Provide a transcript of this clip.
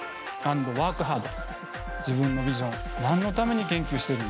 自分のビジョン何のために研究しているんだ。